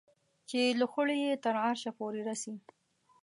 چې لوخړې یې تر عرشه پورې رسي